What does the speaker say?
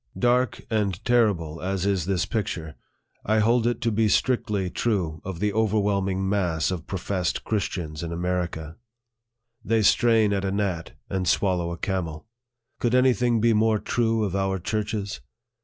Dark and terrible as is this picture, I hold it to be strictly true of the overwhelming mass of professed 122 APPENDIX TO THE Christians in America. They strain at a gnat, and swallow a camel. Could any thing be more true of our churches